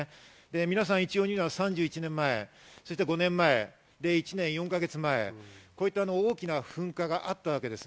皆さん一様に３１年前、そして５年前、１年４か月前、こういった大きな噴火があったわけです。